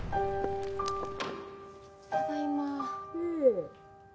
ただいま。